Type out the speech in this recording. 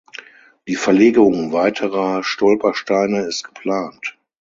Die Verlegung weiterer Stolpersteine ist geplant.